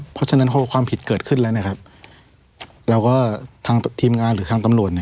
เพราะฉะนั้นพอความผิดเกิดขึ้นแล้วทีมงานหรือทางตำรวจ